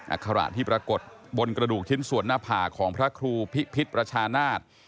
อาคาระที่ปรากฏบนกระดูกชิ้นส่วนหน้าผากของพระครูพิพิษประชานาศ